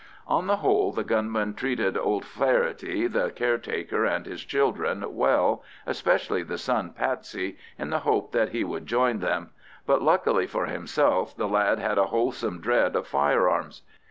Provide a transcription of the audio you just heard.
On the whole, the gunmen treated old Faherty, the caretaker, and his children well, especially the son, Patsy, in the hope that he would join them; but, luckily for himself, the lad had a wholesome dread of firearms.